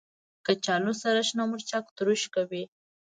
کچالو سره شنه مرچ تروش کوي